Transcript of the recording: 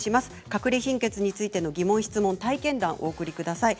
かくれ貧血について疑問質問、体験談をお送りください。